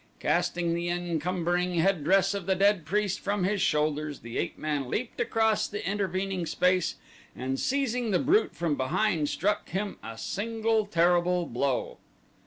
Casting the encumbering headdress of the dead priest from his shoulders the ape man leaped across the intervening space and seizing the brute from behind struck him a single terrible blow.